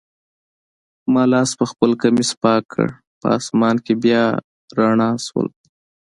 ما لاس پخپل کمیس پاک کړ، په آسمان کي بیا رڼا شول.